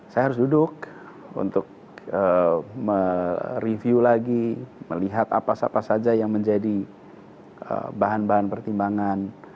saya harus duduk untuk mereview lagi melihat apa siapa saja yang menjadi bahan bahan pertimbangan